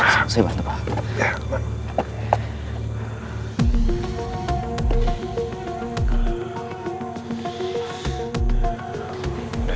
saya bantu pak